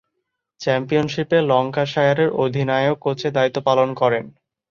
চ্যাম্পিয়নশীপে ল্যাঙ্কাশায়ারের অধিনায়ক-কোচের দায়িত্ব পালন করেন।